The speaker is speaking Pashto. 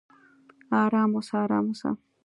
"ارام اوسه! ارام اوسه!"